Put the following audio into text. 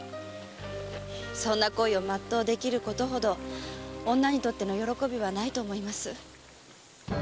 そんな恋を全うできることほど女にとって喜びはないと思います。